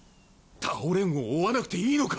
道を追わなくていいのか！？